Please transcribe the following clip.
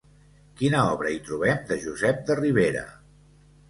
Quina obra hi trobem de Josep de Ribera?